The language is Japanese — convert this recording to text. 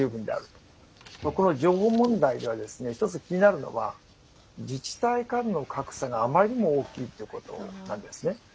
この情報問題では１つ気になるのは自治体間の格差があまりにも大きいということなんですね。